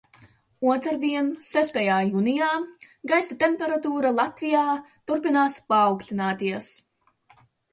Otrdien, sestajā jūnijā, gaisa temperatūra Latvijā turpinās paaugstināties.